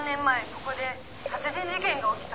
ここで殺人事件が起きた」